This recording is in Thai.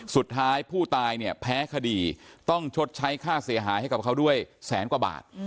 สุดท้ายผู้ตายเนี่ยแพ้คดีต้องชดใช้ค่าเสียหายให้กับเขาด้วยแสนกว่าบาท